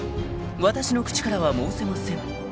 私の口からは申せません］